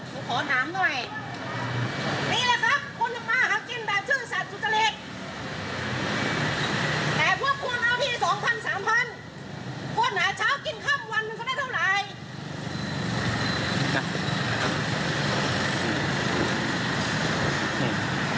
พวกหนาเช้ากินครั้งวันมันก็ได้เท่าไหร่